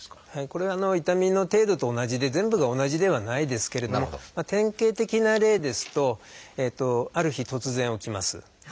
これは痛みの程度と同じで全部が同じではないですけれども典型的な例ですとある日突然起きます。